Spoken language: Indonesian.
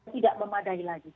tidak memadai lagi